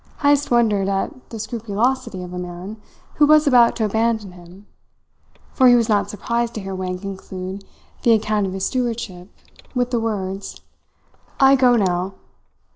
Heyst wondered at the scrupulosity of a man who was about to abandon him; for he was not surprised to hear Wang conclude the account of his stewardship with the words: "I go now."